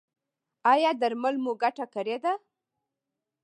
ایا درمل مو ګټه کړې ده؟